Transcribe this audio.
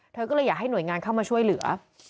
เธอก็เลยอยากให้หน่วยงานเข้ามาช่วยเหลือ